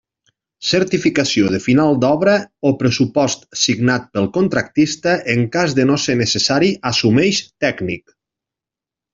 Certificació de final d'obra, o pressupost signat pel contractista en cas de no ser necessari assumeix tècnic.